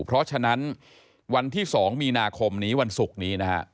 เพราะฉะนั้นวันที่๒มีนาคมนี้วันศุกร์นี้นะฮะ